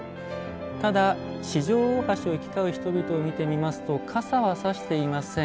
ただ、四条大橋を行き交う人々を見てみますと傘はさしていません。